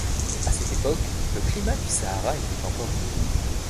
À cette époque le climat du Sahara était encore humide.